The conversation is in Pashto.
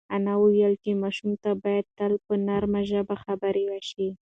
انا وویل چې ماشوم ته باید تل په نرمه ژبه خبرې وشي.